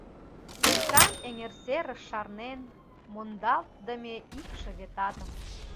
Лектам эҥер серыш шарнен Мондалтдыме икшыве татым.